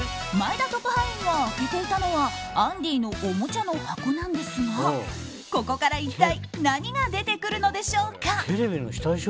前田特派員が開けていたのはアンディのおもちゃの箱なんですがここから一体何が出てくるのでしょうか。